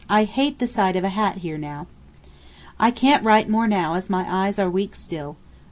I hate the sight of a hat here now. I can't write more now my eyes are weak still.